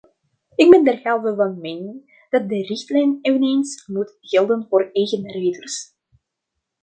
Ik ben derhalve van mening dat de richtlijn eveneens moet gelden voor eigen rijders.